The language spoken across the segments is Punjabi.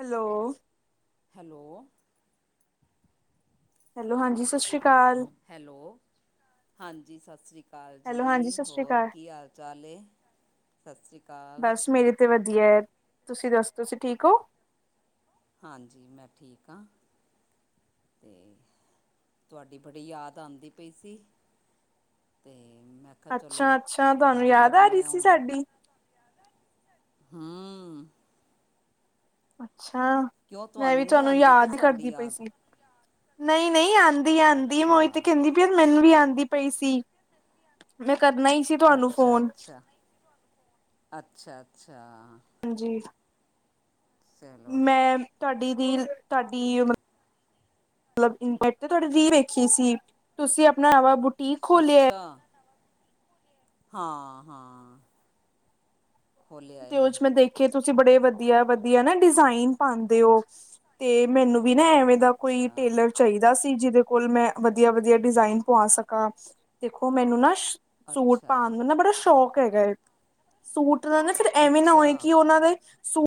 ਹੈਲੋ ਹੈਲੋ ਹੈਲੋ ਹਾਂ ਜੀ ਸਤ ਸ਼੍ਰੀ ਅ ਹੈਲੋ, ਹਾਂਜੀ ਸਤਿ ਸ਼੍ਰੀ ਅਕਾਲ ਹੈਲੋ ਹਾਂਜੀ ਜੀ ਸਤਿ ਸ਼੍ਰੀ ਹੋਰ ਅਕਾਲ। ਕੀ ਹਾਲ ਚਾਲ ਐ? ਸਤਿ ਸ਼੍ਰੀ ਅਕਾਲ। ਵਧੀਐ, ਤੁਸੀਂ ਦੱਸੋ ਤੁਸੀਂ ਠੀਕ ਹੋ? ਹਾਂਜੀ, ਮੈਂ ਠੀਕ ਹਾਂ ਅਤੇ ਤੁਹਾਡੀ ਬੜੀ ਯਾਦ ਆਦੀ ਪਈ ਸੀ ਤੇ, ਅੱਛਾ-ਅੱਛਾ ਤੁਹਾਨੂੰ ਯਾਦ ਆ ਕਰਨੇ ਰਹੀ ਸੀ ਹੁਣ ਸਾਡੀ। ਹੂੰ, ਅੱ ਅੱਛਾ, ਕਿਉਂ ਮੈਂ ਵੀ ਨਹੀਂ ਤੁਹਾਨੂੰ ਆਉਂਦੀ ਕਿ ਯਾਦ ਹੀ ਸਾਡੀ ਕਰਦੀ ਪਈ ਯਾਦ ਸੀ। ਨਹੀਂ-ਨਹੀਂ, ਆ ਆਂਦੀ ਆਦੀ ਮੈਂ ਤੇ ਅੱਛਾ ਕਹਿੰਦੀ ਵੀ ਮੈਨੂੰ ਵੀ ਆਂਦੀ। ਪਈ ਸੀ ਮੈਂ, ਕਰਨਾ ਹੀ ਸੀ ਤੁਹਾਨੂੰ ਫੋਨ, ਅੱਛਾ-ਅੱਛਾ-ਅੱਛਾ, ਅੱਛਾ, ਹਾਂਜੀ, ਚਲੋ ਮੈਂ, ਤੁਹਾਡੀ ਰੀਲ ਤੁਹਾਡੀ ਮਤਲਬ ਮੈਂ ਤੁਹਾਡੀ ਰੀਹ ਵੇਖੀ ਸੀ ਤੁਸੀਂ ਆਪਣਾ ਆ ਵ ਬੂਟਾ ਅੱਛਾ ਹਾਂ ਹਾਂ ਖੋਲ੍ਹਿਆ ਏ ਤੇ ਉਹ ਚ ਮੈਂ ਦੇਖਿਆ ਤੁਸੀਂ ਬੜੇ ਵਧੀਆ-ਵਧੀਆ ਨਾ ਡਿਜ਼ਾਇਨ ਪਾਂਦੇ ਓ, ਤੇ ਮੈਨੂੰ ਵੀ ਨਾ ਐਵੇਂ ਦਾ ਕੋਈ ਅੱਛਾ ਟੇਲਰ ਚਾਹੀਦਾ ਸੀ ਜਿਹਦੇ ਕੋਲ ਮੈਂ ਵਧੀਆ-ਵਧੀਆ ਡਿਜ਼ਾਇਨ ਪਵਾ ਸਕਾ, ਦੇਖੋ ਮੈਨੂੰ ਨਾ ਸੂਟ ਅੱਛਾ ਪਾਣ ਦਾ ਨਾ ਬੜਾ ਸ਼ੌਕ ਹੈਗਾ। ਸੂਟ ਦਾ ਨਾ ਫਿਰ ਐਵੇਂ ਨਾ ਹੋਏ ਅੱਛਾ ਕਿ ਉਹਨਾਂ ਦੇ ਸੂਟ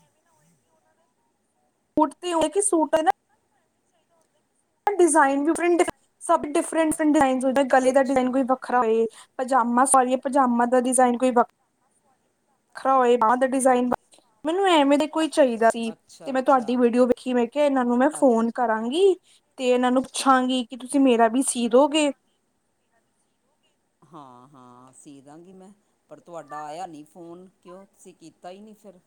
ਸੂਟ ਤੇ ਹੋਏਗੀ ਸੂਟ ਐ ਨਾ ਡਿਜ਼ਾਇਨ ਡਿਫਰੈਂਟ-ਡਿਫਰੈਂਟ, ਸਭ ਡਿਫਰੈਂਟਸ ਡਿਜ਼ਾਇਨ ਜਿਹੜਾ ਗਲੇ ਦਾ ਅੱਛਾ ਡਿਜ਼ਾਇਨ ਕੋਈ ਵੱਖਰਾ ਹੋਏ। ਪਜਾਮਾ ਸੋਰੀ ਪਜਾਮਾ ਦਾ ਡਿਜ਼ਾਇਨ ਕੋਈ ਵੱਖਰਾ ਹੋਏ ਬਾਹ ਤੇ ਡਿਜ਼ਾਇਨ ਦਾ, ਮੈਨੂੰ ਐਵੇਂ ਦੇ ਕੋਈ ਚਾਹੀਦਾ ਸੀ, ਤੇ ਅੱਛਾ ਮੈਂ ਅੱਛਾ ਤੁਹਾਡੀ ਵੀਡੀਓ ਵੇਖੀ ਮੈ ਕਿਹਾ ਇਹਨਾਂ ਨੂੰ ਮੈਂ ਅ ਫੋਨ ਕਰਾਂਗੀ। ਤੇ ਇਹਨਾਂ ਨੂੰ ਪੁੱਛਾਂਗੀ ਕਿ ਤੁਸੀਂ ਮੇਰਾ ਵੀ ਸੀ ਦੋਗੇ। ਹਾਂ-ਹਾਂ, ਸੀ ਦਾਂਗੀ ਮੈਂ, ਪਰ ਤੁਹਾਡਾ ਆਇਆ ਨੀ ਫੋਨ ਕਿਉਂ ਤੁਸੀਂ ਕੀਤਾ ਈ ਨੀ ਫਿਰ।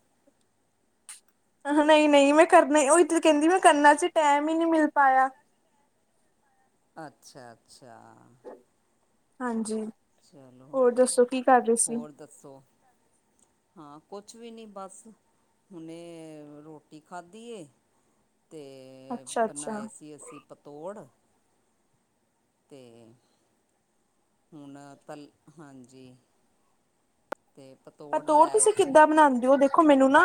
ਆਹਾ ਨਈਂ-ਨਈਂ ਮੈਂ ਕਰਨ ਓਹੀ ਤਾਂ ਕਹਿੰਦੀ ਮੈਂ ਕਰਨਾ ਸੀ ਟੈਮ ਈ ਨੀ ਮਿਲ ਪਾਇਆ। ਅੱਛਾ-ਅੱਛਾ। ਹਾਂਜੀ। ਚਲੋ ਹੋਰ ਦੱਸੋ ਕੀ ਕਰ ਰਹੇ ਸੀ? ਹੋਰ ਦੱਸੋ ਹਾਂ। ਕੁਛ ਵੀ ਨੀ ਬਸ, ਹੁਣੇ ਰੋਟੀ ਖਾਧੀ ਏ। ਤੇ ਅੱਛਾ ਅੱਛਾ ਬਣਾਏ ਸੀ ਅਸੀਂ ਪਤੋੜ। ਤੇ, ਹੁਣ ਫਲ ਹਾਂਜੀ। ਅਤੇ ਲੈ ਪਤੋੜ ਆਏ ਤੁਸੀਂ ਸੀ ਕਿੱਦਾਂ ਬਣਾਉਂਦੇ ਹੋ? ਦੇਖ ਦੇਖੋ ਮੈਨੂੰ ਨਾ,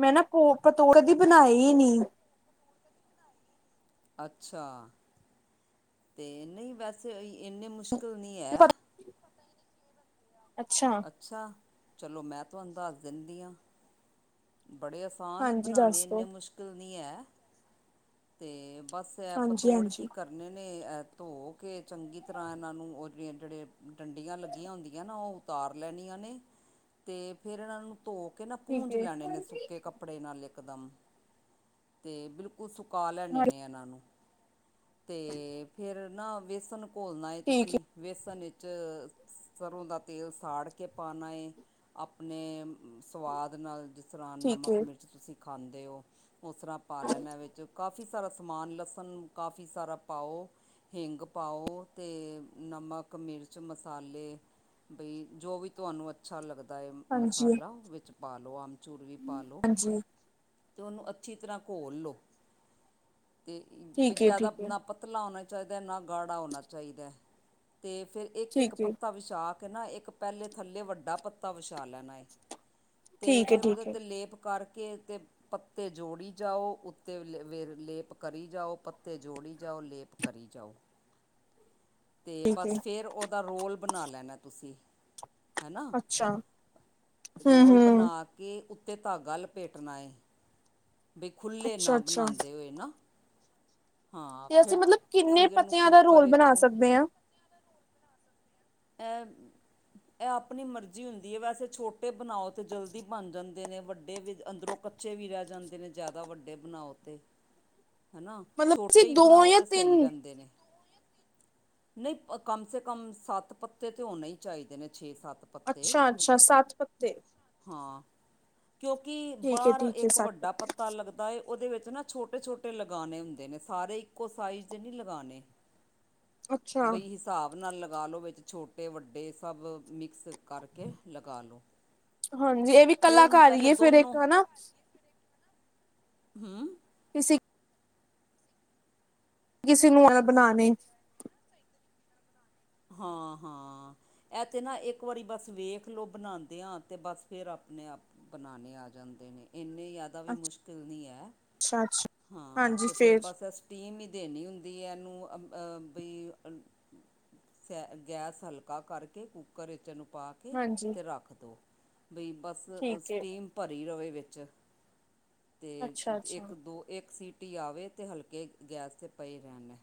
ਮੈਂ ਨਾ ਕੋ- ਪਤੋੜ ਕਦੀ ਬਣਾਏ ਨੀ। ਅੱਛਾ! ਤੇ ਨਈਂ ਵੈਸੇ ਏ-ਇੰਨੇ ਮੁਸ਼ ਕਲ ਨਈਂ ਐ। ਅੱਛਾ ਅੱਛਾ। ਚਲੋ, ਮੈਂ ਤੁਹਾਨੂੰ ਦੱਸ ਦਿੰਦੀ ਆਂ। ਬੜੇ ਆਸਾਨ ਨੇ ਹਾਂਜੀ ਬਣਾਉਣੇ। ਦੱਸ ਦੋ ਇੰਨੀ ਮੁਸ਼ਕਿਲ ਨਈਂ ਐ। ਤੇ ਬਸ ਐ ਹਾਂਜੀ ਪਤੋੜ ਹਾਂਜੀ ਕੀ ਕਰਨੇ ਨੇ ਐ ਧੋ ਕੇ ਚੰਗੀ ਤਰ੍ਹਾਂ ਇਹਨਾਂ ਨੂੰ ਓ ਜਿਹੜੇ ਡੰਡੀਆਂ ਲੱਗੀਆਂ ਹੁੰਦੀਆਂ ਨਾ। ਓ ਉਤਾਰ ਲੈਣੀਆਂ ਨੇ, ਤੇ ਫਿਰ ਇਹਨਾਂ ਨੂੰ ਧੋ ਕੇ ਨਾ ਠੀਕ ਪੂੰਜ ਲੈਣੇ ਹੈ ਨੇ ਸੁੱਕੇ ਕੱਪੜੇ ਨਾਲੇ। ਇਕ ਤੇ ਬਿਲਕੁਲ ਸੁਕ ਸੁਕਾ ਲੈਣੇ ਨੇ ਇਨਾਂ ਨੂੰ। ਤੇ ਫੇਰ ਨਾ ਵੇਸਨ ਘੋਲਣਾ ਏ ਠੀਕ ਤੁਸੀਂ ਹੈ ਵੇਸਨ 'ਚ 'ਚ ਸਰੋਂ ਦਾ ਤੇਲ ਸਾੜ ਕੇ ਪਾਣਾ ਏ ਆਪਣੇ ਸਵਾਦ ਨਾਲ ਜ ਦੁਰਾਨ ਠੀਕ ਨਮਕ, ਹੈ ਮਿਰਚ ਤੁਸੀਂ ਖਾਂਦੇ ਔ। ਓਸਰ੍ਹਾਂ ਪਾ ਲੈਣਾ ਵਿੱਚ ਕਾਫ ਕਾਫੀ ਸਾਰਾ ਸਮਾਨ, ਲਸਣ ਕਾਫੀ ਸਾਰਾ ਪਾਓ, ਹਿੰਗ ਪਾਓ, ਤੇ ਨਮਕ, ਮਿਰਚ ਮਸਾਲੇ ਬਈ ਜੋ ਵੀ ਤੁਆਨੂੰ ਅੱਛਾ ਲੱਗਦਾ। ਦਾ ਏ ਹਾਂਜੀ ਮਸਾਲਾ ਵਿੱਚ ਪਾਲੋ ਅੰਬ ਚੂਰ ਵੀ ਪਾਲੋ। ਹਾਂਜੀ ਤੇ ਉਨੂੰ ਅੱਛੀ ਤਰ੍ਹਾਂ ਘੋਲ ਲਓ। ਤੇ ਠੀਕ ਹੈ ਜ਼ਾਦਾ ਠੀਕ ਹੈ ਨਾ ਪਤਲਾ ਔਨਾ ਚਾਈਦਾ ਨਾ ਗਾੜਾ ਹੋਣਾ ਚਾਈਦਾ। ਤੇ ਫਿਰ ਇੱਕ-ਇੱਕ ਠੀਕ ਹੈ ਪੱਤਾ ਵਿਛਾ ਕ ਕੇ ਨਾ ਇੱਕ ਪੈਲੇੇ ਥੱਲੇ ਵੱਡਾ ਪੱਤਾ ਵਛਾ ਲੈਣਾ ਏ। ਤੇ ਠੀਕ ਹੈ ਫੇਰ ਉਦੇ ਠੀਕ ਹੈ ਤੇ ਲੇਪ ਕਰਕੇ- ਕੀ ਤੇ ਪੱਤੇ ਜੋੜੀ ਜਾਓ ਉੱਤੇ ਵੇਰ ਲੇਪ ਕਰੀ ਜਾਓ। ਪੱਤੇ ਜੋੜੀ ਜਾਓ- ਲੇਪ ਕਰੀ ਜਾਓ। ਤੇ ਠੀਕ ਹੈ ਬਸ ਫੇਰ ਉਦਾ ਰੋਲ ਬਣਾ ਲੈਣਾ। ਤੁਸੀ ਹਨਾ ਅੱਛਾ ਹਮ ਰੋਲ ਬਣਾ ਹਮ ਕੇ ਉਤ- ਉਤੇ ਧਾਗਾ ਲਪੇਟਣਾ ਏ। ਬਈ ਖੁੱਲ੍ਹੇ ਅੱਛਾ ਨਾ ਅੱਛਾ ਬਣਾਦੇ ਓਏ ਨਾ। ਹਾਂ ਤੇ ਅਸੀਂ ਫਿਰ ਮਤਲਬ ਕਿੰਨੇ ਤੁਸੀਂ ਇਹਨੂੰ ਪੱਤਿਆਂ ਦਾ ਕੁੱਕਰ ਰੋਲ ਬਣਾ ਵਿੱਚ ਸਕਦੇ ਆਂ। ਐ -ਐ ਆਪਣੀ ਮਰਜ਼ੀ ਹੁੰਦੀ ਏ। ਵੈਸੇ ਛੋਟੇ ਬਣਾਓ ਤੇ ਜਲਦੀ ਬਣ ਜਾਂਦੇ ਨੇ। ਵੱਡੇ ਵੀ ਅੰਦਰੋਂ ਕੱਚੇ ਵੀ ਰਹਿ ਜਾਂਦੇ ਨੇ ਜ਼ਿਆਦਾ ਵੱਡੇ ਬਣਾਓ 'ਤੇ। ਹਨਾ ਮਤਲਬ ਅਸੀਂ ਛੋਟੇ ਈ ਦੋ ਬਣਾਓ ਜਾਂ ਤੇ ਸਈ ਤਿੰਨ ਰੇਂਦੇ ਨੇ। ਨਹੀਂ ਕਮ ਸੇ ਕਮ ਸੱਤ- ਪੱਤੇ ਤੇ ਹੋਣੇ ਈ ਚਾਈਦੇ ਨੇ। ਛੇ ਸੱਤ ਪੱਤੇ। ਅੱਛਾ ਅੱਛਾ ਸੱਤ ਪੱਤੇ ਹਾਂ ਕਿਉਂਕਿ ਠੀਕ ਹੈ ਬਾਰ ਠੀਕ ਹੈ ਇੱਕ ਸੱਤ ਵੱਡਾ ਪੱਤੇ ਪੱਤਾ ਲੱਗਦਾ ਏ। ਉਦੇ ਵਿੱਚ- ਨਾ ਛੋਟੇ ਛੋਟੇ ਲਗਾਣੇ ਹੁੰਦੇ ਨੇ ਸਾਰੇ ਇੱਕੋ ਸਾਈਜ਼ ਦੇ ਨਹੀਂੀ ਲਗਾਣੇ ਅੱਛਾ ਬਈ ਹਿਸਾਬ ਨਾਲ ਲੱ ਲਾਲ ਲੋ ਵਿੱਚ ਛੋਟੇ ਵੱਡੇ ਸਭ ਮਿਕਸ ਕਰਕੇ ਲਗਾ ਲਓ ਹਾਂਜੀ ਇਹ ਵੀ ਫਿਰ ਉਹਨੂੰ ਕਲਾਕਾਰੀ ਪਹਿਲੇ ਹੈ ਫੇਿਰ ਦੋਨੋਂ ਇੱਕ ਹਨਾ ਹੰ ਇਸੇ ਕਿਸੇ ਨੂੰ ਅ ਬਣਾਾਨ ਹਾਂ ਹਾਂ ਇਹ ਤੇ ਨਾ ਇੱਕ ਵਾਰੀ ਬ ਵੇਖ ਲ ਬਣਾਉਂਦੇ ਆਾਂ ਤੇ ਬਸ ਫੇਰ ਆਪਣੇ ਆਪ ਬਣਾਣੇ ਆ ਜਾਂਦੇ ਨੇ ਇੰਨੀ ਜ਼ਿਆਦਾ ਵੀ ਮੁਸ਼ਕਿਲ ਨਹੀਂ ਹੈ ਅੱਛਾ ਅੱਛਾ ਹਾਂ ਹਾਂਜੀ ਅਤੇ ਫਿਰ ਫੇਰ ਬਸ ਸਟੀਮ ਹੀ ਦੇਣੀ ਹੁੰਦੀ ਦੀ ਇਹਨੂੰ ਅ ਬਈ ਗੈਸ ਹਲਕਾ ਕਰਕੇ ਕੁੂੱਕਰ ਵਿੱਚ ਨੁ ਪਾ ਕੇ ਹਾਂਜੀ ਅਤੇ ਰੱਖ ਦਿਉ ਬ ਬਸ ਠੀਕ ਹੈ ਸਟੀਮ ਭਰੀ ਰਹੇ ਵਿੱਚ ਕੁ [inaudible] ਅਤੇ ਅੱਛਾ ਅੱਛਾ ਇੱਕ ਦੋ ਇੱਕ ਸੀਟ ਟਟੀਆਵੇ ਅਤੇ ਹਲਕੇ ਗੈਸ 'ਤੇ ਪਏ ਰਹਿਣ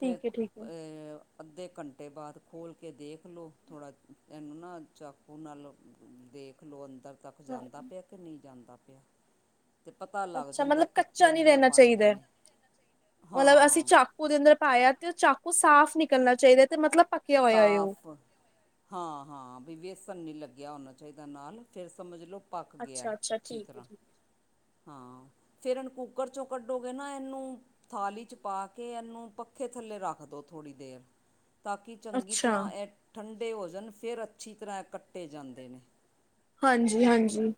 ਫਿਰ ਹੈ ਠੀਕ ਹੈ ਏ ਅੱਧੇ ਘੰਟੇ ਬਾਅਦ ਖੋਲ੍ਹ ਕੇ ਦੇਖ ਲਓ ਥੋੜ੍ਹਾ ਇਹਨੂੰ ਨਾ ਚਾਕੂ ਨਾਲ ਦੇਖ ਲਓ ਅੰ ਉੱਰ ਤੱਕ ਹਾਂ ਜਾਂਦਾ ਪਿਆ ਕਿ ਨਹੀਂ ਜਾਂਦਾ ਰੁਪਆ [inaudible] ਅੱਛਾ ਮਤਲਬ ਕੱਚਾ ਨਹੀਂੀ ਰਹਿਣਾ ਬਣ ਗਏ ਚਾਹੀਦਾ ਨੇ ਮਤਲਬ ਅਸੀਂ ਹਾਂ ਚਾਕੂ ਦੇ ਅੰਦਰ ਪਾਇਆ ਤੇ ਉਹ ਚਾਕੂ ਸਾਫ਼ ਨੀ ਕਰਨਾ ਚਾਹੀਦਾ ਤੇ ਮਤਲਬ ਪੱਕਿਆ ਹੋਇਆ ਏ ਉਹ। ਸਾਫ਼ ਹਾਂ ਹਾਂ ਵੀ ਵੇਸਣ ਨੀ ਲੱਗੇ ਗਿਆ ਹੋਣਾ ਚਾਹੀਦਾ ਨਾਲ ਫਿਰ ਸਮਝ ਲਓ ਪੱਕ ਗਿਆ ਅੱਛਾ ਅੱਛਾ ਅੱਛੀ ਠੀਕ ਹੈ ਤਰ੍ਹਾਂ ਠੀਕ। ਹਾਂ ਫਿਰ ਇਹਨੂੰ ਕੂੱਕਰ ਚੋਂ ਕੱਢੋਗੇ ਨਾ ਇਹਨੂੰ ਥਾਲੀ ਚ ਪਾ ਕੇ ਇਹਨੂੰ ਪੱਖੇ ਥੱਲੇ ਰੱਖ ਦੋ ਥੋੜ੍ਹੀ ਦੇਰ ਤਾਂ ਚੰਗੀ ਅੱਛਾ ਤਰ੍ਹਾਂ ਇਹ ਠੰਢ ਦੇ ਭਜਨ ਫਿਰ ਅੱਛੀ ਤਰ੍ਹਾਂ ਕੱਟੇ ਜਾਂਦੇ ਨੇ ਹਾਂਜੀ ਹਾਂਜੀ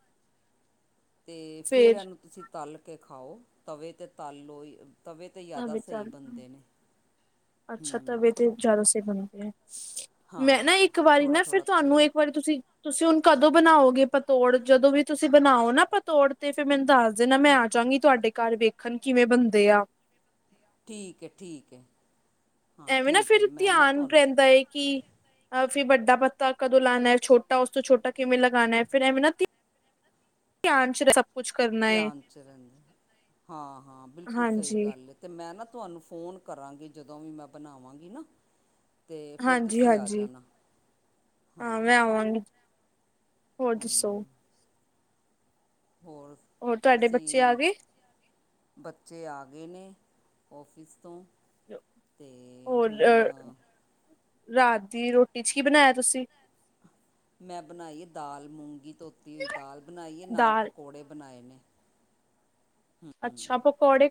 ਅਤੇ ਫਿਰ ਫੇਰ ਇਹਨੂੰ ਤੁਸੀਂ ਤਲ ਕੇ ਖਾਓ ਤਵੇ 'ਤੇ ਤਲ ਲੋਈ ਤਵੇ ਤਾਂ ਜ਼ਿਆਦਾ ਤਵੇ ਤੇ ਸਹੀ ਬਣਦੇ ਨੇ ਅੱਛਾ ਤਵੇ ਹੂੰ ਇਹ ਤੇ ਜ਼ਿਆਦਾ ਤੇ ਬਣਦੇ ਆ। ਮੈਂ ਨਾ ਹਾਂ ਇੱਕ ਵਾਰੀ ਥੋੜ੍ਹਾ ਨਾ ਫਿਰ ਥੋੜ੍ਹਾ ਤੁਹਾਨੂੰ ਤੇਲ ਇੱਕ ਵਾਰੀ ਤੁਸੀਂ, ‌ਤੁਸੀਂ ਹੁਣ ਕਦੋਂ ਬਣਾਓਗੇ ਪਤੋੜ ਜਦੋਂ ਵੀ ਤੁਸੀਂ ਬਣਾਓ ਨਾ ਪਤੋੜ ਤੇ ਫਿਰ ਮੈਨੂੰ ਦੱਸ ਜਿਨਾ ਮੈਂ ਆ ਜਾਗੀ ਤੁਹਾਡੇ ਘਰ ਵੇਖ ਖਨਕੀ ਮ ਬੰਦਿਆ ਠੀਕ ਏ ਠੀਕ ਏ। ਐਵੇਂ ਨਾ ਫਿਰ ਧਿਆਨ ਰਹਿੰਦਾ ਏ ਕਿ ਅ ਵੱਡਾ ਪੱਤਾ ਕਦੋਂ ਲਾਉਣਾ ਹੈ ਛੋਟਾ ਉਸ ਤੋਂ ਛੋਟਾ ਕਿਵੇਂ ਲਗਾਉਣਾ ਹੈ ਫਿਰ ਐਵੇਂ ਨਾ ਧਿ, ਧਿਆਨ ਚ ਰ ਧਿਆਨ ਚ ਰ ਹਾਂ ਹਾਂ ਬਿਲਕੁਲ ਸਹੀ ਹਾਂਜੀ, ਗੱਲ ਏ ਤੇ ਮੈਂ ਨਾ ਤੁਹਾਨੂੰ ਫੋਨ ਕਰਾਂਗੀ। ਜਦੋਂ ਵੀ ਮੈਂ ਬਣਾਵਾਂਗੀ ਨਾ। ਅਤੇ ਫਿਰ ਹਾਂਜੀ ਤੁਸੀਂ ਆ ਹਾਂਜੀ, ਜਾਣਾ ਹਾਂ ਮੈਂ ਆਵਾਂਗੀ। ਹੋਰ ਦੱਸੋ? ਹੂੰ ਹੋਰ ਹੋਰ ਤੁਹਾਡੇ ਬੱਚੇ ਆ ਤੁਸੀਂ ਚੇ ਗਏ? ਆ ਗੇ ਬੱਚੇ ਆ ਗਏ ਨੇ। ਔਫਿਸ ਤੋਂ ਅਤੇ ਹੋਰ ਅ ਹੁਣ ਰਾਤ ਦੀ ਰੋਟੀ ਚ ਕੀ ਬਣਾਇਆ ਤੁਸੀਂ? ਮੈਂ ਬਣਾਈਏ ਦਾਲ ਮੂੰਗੀ। ਧੋਤੀ ਹੋਈ ਦਾਲ ਬਣਾਈਏ ਨਾਲ ਦਾਲ ਪਕੌੜੇ ਬਣਾਏ ਨੇ।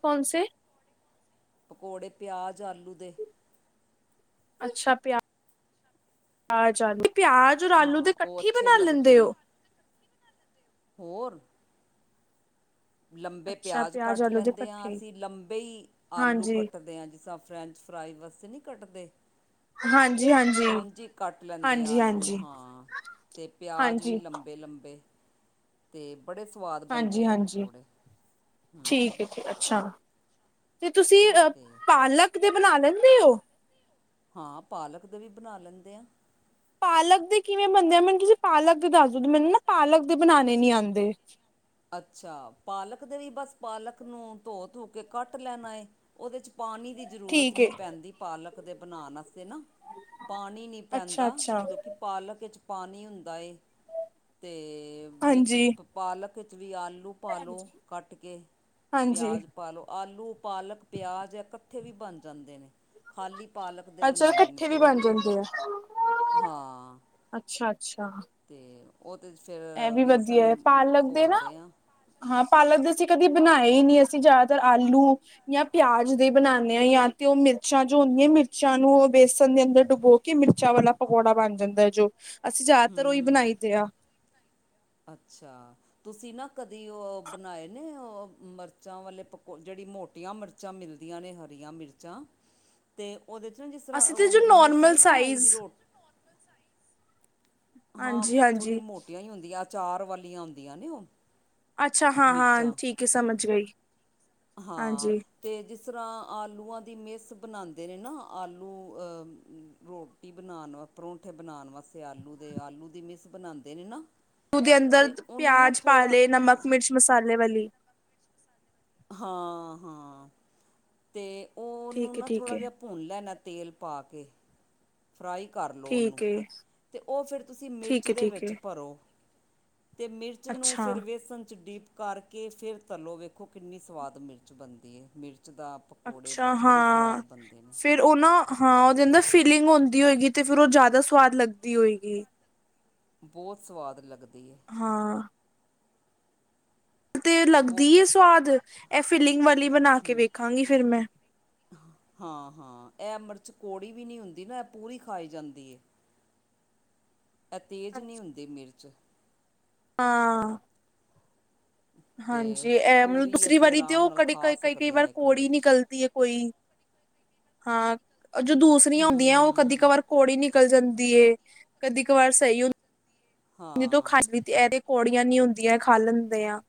ਕੌਮ ਸੇ ਪਕੌੜੇ ਪਿਆਜ਼ ਆਲੂ ਦੇ। ਅੱਛਾ ਪਿਆ, ਆਜ ਆਲੂ। ਪਿਆਜ ਔਰ ਆਲੂ ਦੇ ਹਾਂ ਉਹ ਕੱਠੀ ਅੱਛੇ ਬਣਾ ਲੱਗਦੇ ਲੀਦੇ ਨੇ ਓ? ਹੋਰ ਲੰਬੇ ਅੱਛਾ ਪਿਆਜ਼ ਪਿਆਜ ਕੱਟ ਆਲੂ ਦੇ ਲੈਂਦੇ ਆ ਇਕੱਠੇ ਅਸੀਂ ਲੰਬੇ ਈ ਆਲੂ ਹਾਂਜੀ, ਕੱਟਦੇ ਆ ਜਿਸ ਤਰ੍ਹਾਂ ਫਰੈਂਚ ਫਰਾਈ ਵਸ ਤੇ ਨੀ ਕੱਟਦੇ ਹਾਂ ਉਝ ਈ ਕੱਟ ਲੈਂਦੇ ਆਲੂ ਹਾਂਜੀ, ਹਾਂ ਤੇ ਪਿਆਜ ਵੀ ਹਾਂਜੀ, ਲੰਬੇ-ਲੰਬੇ। ਤੇ ਹਾਂਜੀ ਹਾਂਜੀ, ਹੂੰ ਠੀਕ ਹੈ‌ ਏ ਅੱਛਾ। ਤੇ ਤੁਸੀਂ ਅ ਅਤੇ ਪਾਲਕ ਦੇ ਬਣਾ ਲੈਦੇ? ਓ ਹਾਂ ਪਾਲਕ ਦੇ ਵੀ ਬਣਾ ਲੈਂਦੇ ਆ। ਪਾਲਕ ਦੇ ਕਿਵੇਂ ਬਣਦੇ ਆ ਮੈਨੂੰ ਤੁਸੀਂ ਪਾਲਕ ਦੇ ਦੱਸ ਦਓ ਮੈਨੂੰ ਨਾ ਪਾਲਕ ਦੇ ਬਣਾਣੇ ਨੀ ਆਉਂਦੇ। ਅੱਛਾ ਪਾਲਕ ਦੇ ਲਈ ਬਸ ਪਾਲਕ ਨੂੰ ਧੋ ਧੁ ਕੇ ਕੱਟ ਲੈਣਾ ਏ ਉਹਦੇ ਚ ਪਾਣੀ ਦੀ ਜ਼ਰੂਰਤ ਠੀਕ ਨੀ ਏ। ਪੈਂਦੀ ਪਾਲਕ ਕਦੇ ਬਣਾਣਾ ਅਤੇ ਨਾ ਪਾਣੀ ਨਹੀਂ ਪੈਂਦਾ ਅੱਛਾ-ਅੱਛਾ, ਕਿਉਂਕਿ ਪਾਲਕ ਵਿੱਚ ਪਾਣੀ ਹੁੰਦਾ ਏ ਤੇ ਵਿੱਚ ਹਾਂਜੀ। ਪਾਲਕ ਖ [inaudible] ਵੀ ਆਲੂ ਪਾ ਲਓ ਕੱਟ ਕੇ ਹਾਂਜੀ, ਪਿਆਜ਼ ਪਾ ਲਓ ਆਲੂ ਪਾਲਕ ਪਿਆਜ਼ ਹੈ ਉੱਥੇ ਵੀ ਬਣ ਜਾਂਦੇ ਨੇ ਖਾਲੀ ਪਾਲਕ ਦੇ ਅੱਛਾ ਬਣਾਉਣੇ ਨੇ ਕੱਠੇ ਤੇ ਉਹ ਬਣ ਵੀ ਜਾਂਦੇ ਆ ਹਾਂ ਅੱਛਾ-ਅੱਛਾ। ਤੇ ਉਹ ਤਾਂ ਫਿਰ ਇਹ ਵੀ ਵਧੀਆ ਹੈ ਵੇਸਨ ਪਾਲਕ ਦੇ ਨਾ ਘੋਲਦੇ ਹਾਂ ਹਾਂ ਪਾਲਕ ਦੇ ਅਸੀਂ ਕਦੇ ਬਣਾਏ ਹੀ ਨਹੀਂੀ ਅਸੀਂ ਜ਼ਿਆਦਾਤਰ ਆਲੂ ਜਾਂ ਪਿਆਜ ਦੇ ਬਣਾਉਂਦੇ ਹਾਂ ਜਾਂ ਤੇ ਉਹ ਮਿਰਚਾਂ ਜੋ ਹੁੰਦੀਆਂ ਮਿਰਚਾਂ ਨੂੰ ਬੇਸਣ ਦੇ ਅੰਦਰ ਡੁਬੋ ਕੇ ਮਿਰਚਾਂ ਵਾਲਾ ਪਕੌੜਾ ਬਣ ਜਾਂਦਾ ਹੈ ਜੋ ਅਸੀਂ ਜ਼ਿਆਦਾਤਰ ਉਹੀ ਹੂੰ ਬਣਾਈ ਦੇ ਆ ਅੱਛਾ ਤੁਸੀਂ ਨਾ ਕਦੀ ਉਹ ਬਣਾਏ ਨੇ ਉਹ ਮਿਰਚਾਂ ਵਾਲੇ ਪਕੋ ਜਿਹੜੀ ਮੋਟੀਆਂ ਮਿਰਚਾਂ ਮਿਲਦੀਆਂ ਨੇ ਹਰੀਆਂ ਮਿਰਚਾਂ ਤੇ ਉਹਦੇ 'ਚ ਨਾ ਜਿਸ ਅਸੀਂ ਤੇ ਤਰ੍ਹਾਂ ਜੋ ਮਿਸ ਨੋਰਮਲ ਨਹੀਂ ਬਣਾਈ ਦੀ ਸਾਈਜ਼ ਰੋਟੀ ਹਾਂ ਥੋੜੀ ਹਾਂਜੀ-ਹਾਂਜੀ ਮੋਟੀਆਂ ਹੀ ਹੁੰਦੀਆਂ ਚਾਰ ਵਾਲੀਆਂ ਹੁੰਦੀਆ ਨੇ ਉਹ ਅੱਛਾ ਹਾਂ ਹਾਂ ਮਿਰਚਾਂ ਠੀਕ ਹੈ ਸਮਝ ਗਈ ਹਾਂ ਤੇ ਜਿਸ ਤਰ੍ਹਾਂ ਆਲੂਆਂ ਦੀ ਮਿਸ ਬਣਾਉਂਦੇ ਨੇ ਨਾ ਆਲੂ ਅਹ ਰੋਟੀ ਬਣਾਉਣ ਵ ਪਰੋਂਠੇ ਬਣਾਉਣ ਵਾਸਤੇ ਆਲੂ ਦੇ ਆਲੂ ਦੀ ਮਿਸ ਬਣਾਉਂਦੇ ਨੇ ਨਾ ੂ ਦੇ ਅੰਦਰ ਅਤੇ ਉਹਨੂੰ ਨਾ ਪਿਆਜ ਥੋੜ੍ਹਾ ਪਾਲੇ ਨਮਕ ਮਿਰਚ ਮਸਾਲੇ ਵਾਲੀ ਹਾਂ ਹਾਂ ਤੇ ਉਹਨੂੰ ਨਾ ਥੋੜ੍ਹਾ ਜਿਹਾ ਭੁੰਨ ਲੈਣਾ ਤੇਲ ਪਾ ਕੇ ਫਰਾਈ ਕਰ ਲਉ ਉਹਨੂੰ ਅਤੇ ਉਹ ਫਿਰ ਤੁਸੀਂ ਮਿਰਚ ਦੇ ਵਿੱਚ ਭਰੋ ਅਤੇ ਮਿਰਚ ਨੂੰ ਅੱਛਾ ਫਿਰ ਵੇਸਣ 'ਚ ਡੀਪ ਕਰਕੇ ਫਿਰ ਤਲੋ ਵੇਖੋ ਕਿੰਨੀ ਸਵਾਦ ਮਿਰਚ ਬਣਦੀ ਹੈ ਮਿਰਚ ਕੱਚ ਦਾ ਪਕੌੜੇ ਅੱਛਾ ਬ ਬੜੇ ਸਵਾਦ ਹਾਂ ਬਣਦੇ ਨੇ ਫਿਰ ਉਹ ਨਾ ਹਾਂ ਉਹਦੇਦਾ ਫੀਲਿੰਗ ਹੁੰਦੀ ਹੋਏਗੀ ਤੇ ਫਿਰ ਉਹ ਜ਼ਿਆਦਾ ਸਵਾਦ ਲੱਗਦੀ ਹੋਏਗੀ ਬਹੁਤ ਸਵਾਦ ਲੱਗਦਾ ਹਾਂ ਤੇ ਅਤੇ ਉਹ ਲੱਗਦੀ ਆ ਸਵਾਦ ਇਹ ਫੀਿਲਿੰਗ ਵਾਲੀ ਬਣਾ ਕੇ ਵੇਖਾਂਗੀ ਫਿਰ ਮੈਂ ਚਕੌੜੀ ਵੀ ਨਹੀਂ ਹੁੰਦੀ ਨਾ ਪੂਰੀ ਖਾਈ ਜਾਂਦੀ ਹੈ ਇਹ ਤੇਜ਼ ਨਹੀਂ ਹਾਂਜੀ ਹੁੰਦੀ ਮਿਰਚ ਹਾਂ। ਅਤੇ ਹਾਂਜੀ ਇਹ ਮਤਲਬ ਪੂਰੀ ਦੂਸਰੀ ਅਸੀਂ ਵਾਰੀ ਆਰਾਮ ਦਿਓ ਨਾਲ ਕਦੇ ਖਾ ਕਈ ਕਈ ਕਈ ਸਕਦੇ ਹਾਂ ਵਾਰ ਇੱਕ ਕੋੜੀ ਮਿਰਚ ਨਿਕਲਦੀ ਹੈ ਕੋਈ। ਹਾਂ। ਜੋ ਦੂਸਰੀਆਂ ਹੂੰ ਹੁੰਦੀਆਂ ਉਹ ਕਦੀ ਕ ਹੂੰ ਵਾਰ ਕੋੜ ਹੀ ਨੀ ਨਿਕਲ ਜਾਂਦੀ ਏ ਕਦੀ ਕ ਵਾਰ ਸਹੀ ਹੁੰ। ਦੋਂ ਹਾਂ ਖ ਇਹਦੇ ਕੌੜੀਆਂ ਨੀ ਹੁੰਦੀਆਂ ਖਾ ਲੈਂਦੇਆਂ।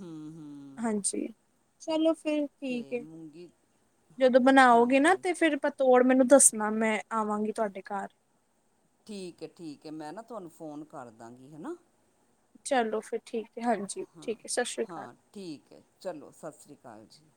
ਹਮ ਹਮ। ਹਾਂਜੀ ਚਲੋ। ਅਤੇ ਠੀਕ ਮੂੰਗੀ ਜਦੋਂ ਬਣਾਓਗੇ ਨਾ ਹਾਂਜੀ ਤੇ ਫੇਿਰ ਪ ਤੋੜ ਮੈਨੂੰ ਦੱਸਣਾ ਮੈਂ ਆਵਾਂਗੀ ਤੁਹਾਡੇ ਘਰ ਠੀਕ ਹੈ ਠੀਕ ਹੈ ਮੈਂ ਨਾ ਤੁਹਾਨੂੰ ਫੋਨ ਕਰ ਦਾਂਗੀ ਹੈਨਾ। ਚਲੋ ਫੇਰ ਠੀਕ। ਹੈ ਹਾਂਜੀ ਹਾਂ ਠੀਕ ਹੈ ਸਤਿ ਸ਼੍ਰੀ ਅਕਾਲ ਹਾਂ ਠੀਕ ਹੈ ਚਲੋ ਸਤਿ ਸ੍ਰੀ ਅਕਾਲ ਜੀ।